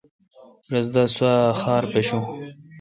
رس تہ سوا خار پیشو ۔